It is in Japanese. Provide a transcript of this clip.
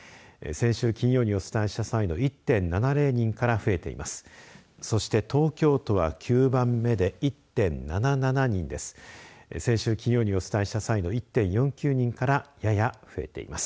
先週金曜にお伝えした際の３．７２人から大きく増えています。